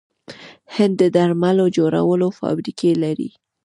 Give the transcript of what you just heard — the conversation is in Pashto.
هند د درملو جوړولو فابریکې لري.